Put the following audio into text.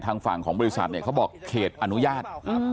ทางฝั่งของบริษัทเนี่ยเขาบอกเขตอนุญาต